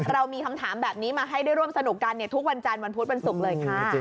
เรามีคำถามแบบนี้มาให้ได้ร่วมสนุกกันทุกวันจันทร์วันพุธวันศุกร์เลยค่ะ